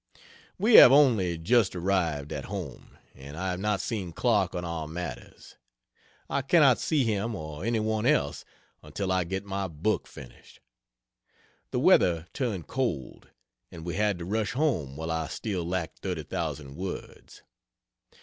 We have only just arrived at home, and I have not seen Clark on our matters. I cannot see him or any one else, until I get my book finished. The weather turned cold, and we had to rush home, while I still lacked thirty thousand words.